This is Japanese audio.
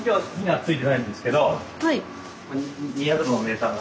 はい。